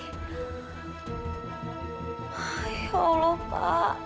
ya allah pak